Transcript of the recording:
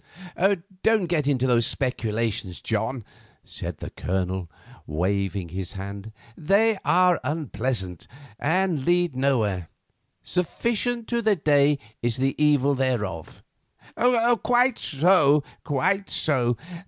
"Don't get into those speculations, John," said the Colonel, waving his hand. "They are unpleasant, and lead nowhere—sufficient to the day is the evil thereof." "Quite so, quite so.